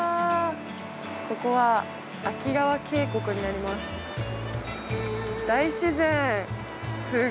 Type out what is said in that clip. ここは秋川渓谷になります。